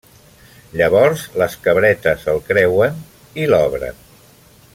Llavors les cabretes el creuen i l'obren.